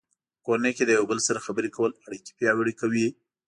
په کورنۍ کې د یو بل سره خبرې کول اړیکې پیاوړې کوي.